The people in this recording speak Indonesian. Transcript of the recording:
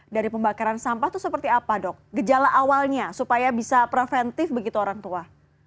dari pembakaran sampah itu seperti apa dok gejala awalnya supaya bisa preventif begitu orang tua